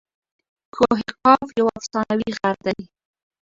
کوه قاف یو افسانوي غر دئ.